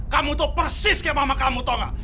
kamu tuh persis kayak mama kamu tau ga